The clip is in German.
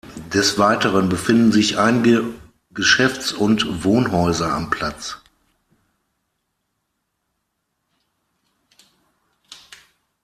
Des Weiteren befinden sich einige Geschäfts- und Wohnhäuser am Platz.